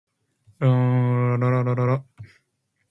It is around north-west of Duns, in the Lammermuir Hills.